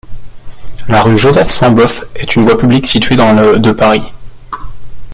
La rue Joseph-Sansbœuf est une voie publique située dans le de Paris.